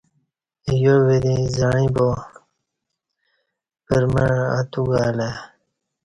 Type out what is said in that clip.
یو وریں زعں ییبا پر مع اتوگالہ ای